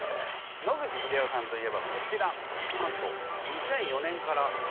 野口英世さんといえばこちら。